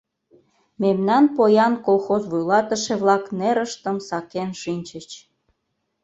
Мемнан поян колхоз вуйлатыше-влак нерыштым сакен шинчыч.